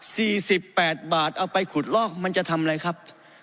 สิบแปดบาทเอาไปขุดลอกมันจะทำอะไรครับ